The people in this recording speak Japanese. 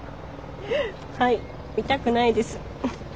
はい痛くないです。